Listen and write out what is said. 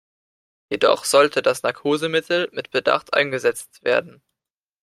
Jedoch sollte das Narkosemittel mit Bedacht eingesetzt werden.